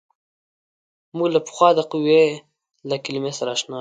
موږ له پخوا د قوې د کلمې سره اشنا یو.